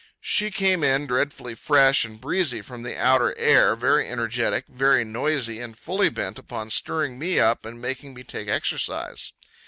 She came in dreadfully fresh and breezy from the outer air, very energetic, very noisy, and fully bent upon stirring me up and making me take exercise.